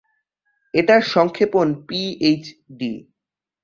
এটার সংক্ষেপণ পিএইচডি।